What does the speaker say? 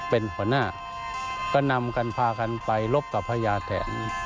เป็นหัวหน้าก็นำกันพากันเป็นรบกับพญาแทน